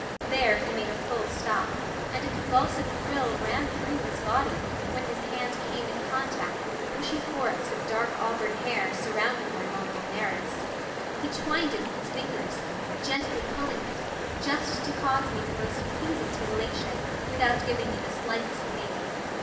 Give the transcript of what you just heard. There he made a full stop, and a convulsive thrill ran through his body when his hand came in contact with the bushy forest of dark auburn hair surrounding my Mons Veneris. He twined it in his fingers, gently pulling it, just to cause me the most pleasing titillation without giving me the slightest pain.